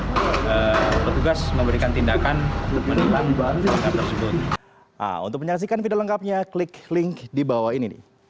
jadi petugas memberikan tindakan untuk menentang barang tersebut